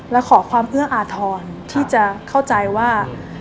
และขอความเอื้ออาทรที่จะเข้าใจว่า